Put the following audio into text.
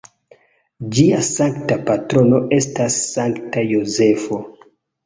Ĝia sankta patrono estas Sankta Jozefo.